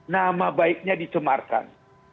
nama baiknya dicemarkan